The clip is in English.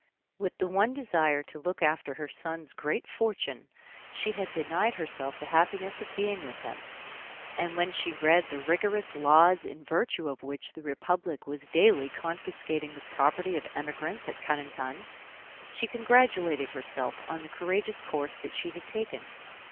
With the one desire to look after her son's great fortune, she had denied herself the happiness of being with him; and when she read the rigorous laws in virtue of which the Republic was daily confiscating the property of Emigrants at Carentan, she congratulated herself on the courageous course that she had taken.